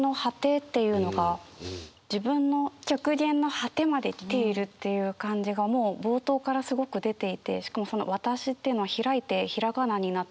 自分の極限の果てまで来ているっていう感じがもう冒頭からすごく出ていてしかも「わたし」っていうのはひらいて平仮名になって。